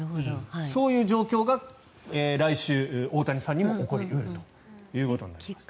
そういう状況が来週、大谷さんにも起こり得るということです。